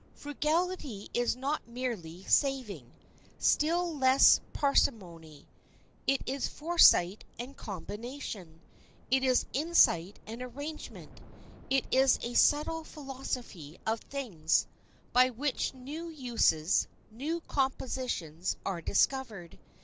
Frugality is not merely saving, still less parsimony. It is foresight and combination. It is insight and arrangement. It is a subtle philosophy of things, by which new uses, new compositions, are discovered.